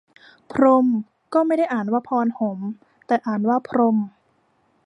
พรหม ก็ไม่ได้อ่านว่าพอน หม แต่อ่านว่าพรม